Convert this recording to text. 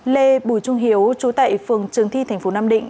lê bùi trung hiếu chú tệ phường trường thi tp nam định